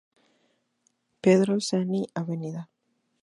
Pedro Zanni, Av.